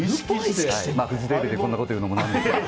フジテレビでこんなこと言うのも何なんですけど。